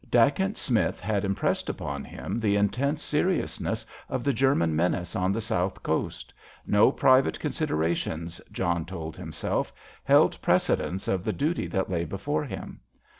Dacent Smith had impressed upon him the intense seriousness of the German menace on the South Coast; no private considerations, John told himself, held precedence of the duty that lay before him.